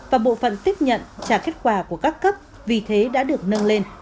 và bộ phận tiếp nhận trả kết quả của các cấp vì thế đã được nâng lên